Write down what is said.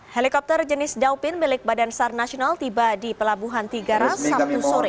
helikopter jenis daupin milik badan sar nasional tiba di pelabuhan tiga ras sabtu sore